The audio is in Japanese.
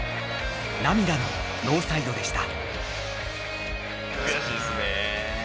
涙のノーサイドでした。